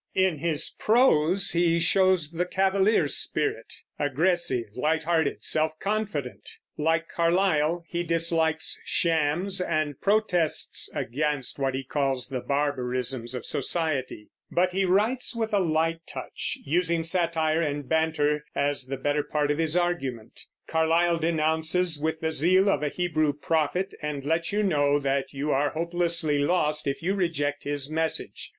In his prose he shows the cavalier spirit, aggressive, light hearted, self confident. Like Carlyle, he dislikes shams, and protests against what he calls the barbarisms of society; but he writes with a light touch, using satire and banter as the better part of his argument. Carlyle denounces with the zeal of a Hebrew prophet, and lets you know that you are hopelessly lost if you reject his message.